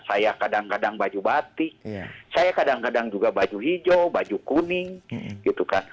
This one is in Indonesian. saya kadang kadang baju batik saya kadang kadang juga baju hijau baju kuning gitu kan